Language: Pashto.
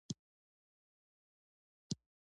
د ګاډي د برېک دے